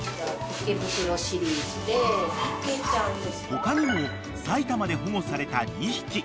［他にも埼玉で保護された２匹］